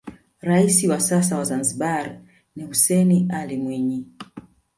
raisi wa sasa wa zanzibar ni hussein alli mwinyi